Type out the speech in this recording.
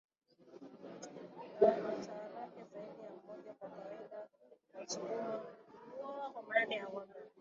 za mitaalamke zaidi ya mmojaKwa kawaida wasukuma huoa kwa mahali ya ngombe